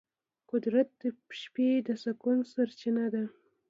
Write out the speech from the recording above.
قدرت د شپې د سکون سرچینه ده.